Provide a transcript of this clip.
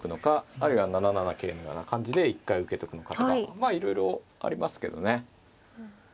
あるいは７七桂のような感じで一回受けとくのかとかいろいろありますけどね。